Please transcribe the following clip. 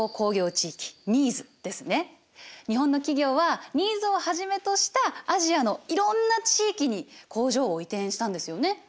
日本の企業はＮＩＥＳをはじめとしたアジアのいろんな地域に工場を移転したんですよね。